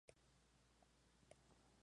En la Ctra.